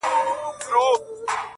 د قاضي په نصیحت کي ثمر نه وو-